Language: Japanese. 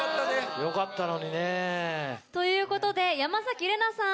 よかったのにね。ということで山玲奈さん